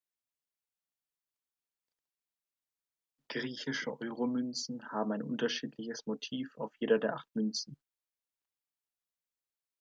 Griechische Euromünzen haben ein unterschiedliches Motiv auf jeder der acht Münzen.